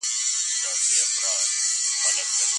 او په اسمان کې یې د وريځو خړ او سپین کمرونه